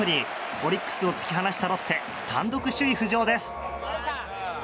オリックスを突き放したロッテ単独首位浮上です。